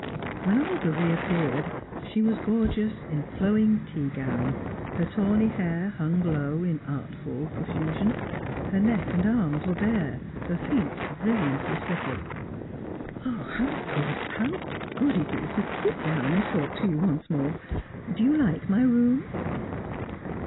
When Olga reappeared, she was gorgeous in flowing tea gown; her tawny hair hung low in artful profusion; her neck and arms were bare, her feet brilliantly slippered. "Ah! How good, how good, it is to sit down and talk to you once more! Do you like my room?"